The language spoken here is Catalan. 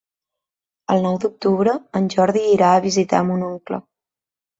El nou d'octubre en Jordi irà a visitar mon oncle.